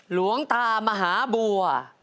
หลวงตามหาบัว